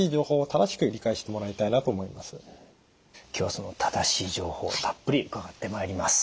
今日はその正しい情報たっぷり伺ってまいります。